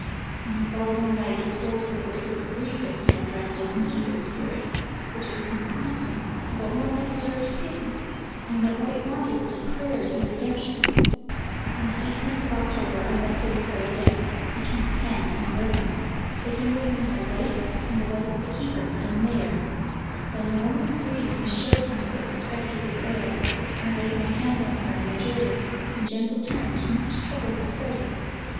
"On the following night it told her that it was grieved at being addressed as an evil spirit, which it was not, but one that deserved pity; and that what it wanted was prayers and redemption. "On the 18th of October, I went to the cell again, between ten and eleven, taking with me my wife, and the wife of the keeper, Madame Mayer. When the woman's breathing showed me the spectre was there, I laid my hand on her, and adjured it, in gentle terms, not to trouble her further.